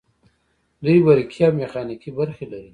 دوی برقي او میخانیکي برخې لري.